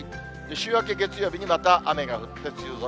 週明け月曜日にまた雨が降って梅雨空。